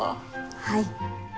はい。